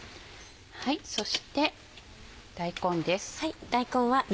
そして大根です。